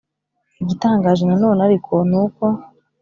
igitangaje nanone ariko ni uko